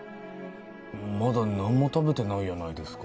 まだ何も食べてないやないですか